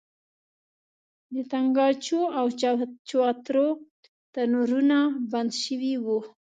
د تنګاچو او چوترو تنورونه بند شوي وو.